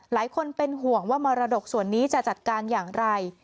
หลายคนเป็นห่วงว่ามรดกส่วนนี้จะจัดการอย่างไร